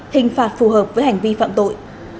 hình phạt phù hợp với hành vi phạm tội